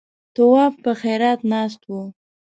تواب په حيرت ناست و.